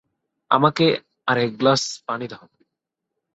আমাকে আর এক গ্লাস পানি দাও।